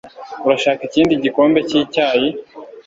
Urashaka ikindi gikombe cyicyayi?